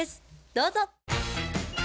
どうぞ。